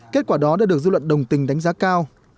kết quả đó đã được dư luận đồng tình đánh giá cao